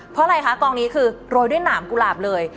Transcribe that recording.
เพราะอะไรคะกองนี้คือโรยด้วยหนามกุหลาบเลย